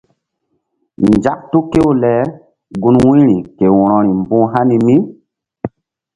Nzak tu kew le gun wu̧yri ke wo̧rori mbuh hani mí.